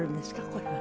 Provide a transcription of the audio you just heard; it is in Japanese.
これは。